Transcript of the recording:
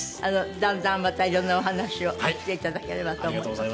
だんだんまたいろんなお話をしていただければと思います。